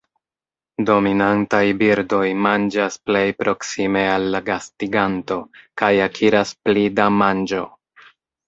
Dominantaj birdoj manĝas plej proksime al la gastiganto, kaj akiras pli da manĝo.